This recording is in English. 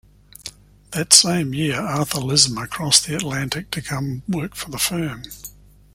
That same year Arthur Lismer crossed the Atlantic to come work for the firm.